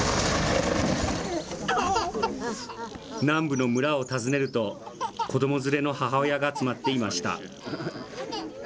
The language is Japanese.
南部の村を訪ねると、子ども連れの母親が集まっていました。